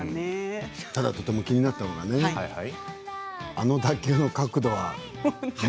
ただ気になったのはあの打球の角度はね